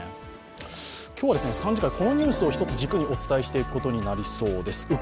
今日は３時間、このニュースを一つ軸にしてお伝えしていくことになりそうです。